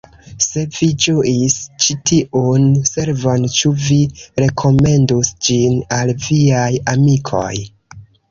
Se vi ĝuis ĉi tiun servon ĉu vi rekomendus ĝin al viaj amikoj!